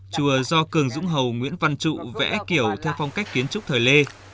chùa do cường dũng hầu nguyễn văn trụ vẽ kiểu theo phong cách kiến trúc thời lê